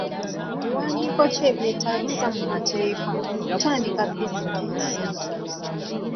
Biwandiiko ki ebyetaagisa mu mateeka okutandika bizinensi?